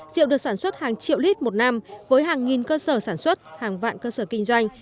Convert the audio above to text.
rượu được sản xuất hàng triệu lít một năm với hàng nghìn cơ sở sản xuất hàng vạn cơ sở kinh doanh